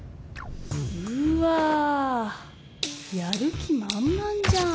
うわあやる気満々じゃん。